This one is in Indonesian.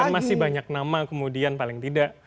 masih banyak nama kemudian paling tidak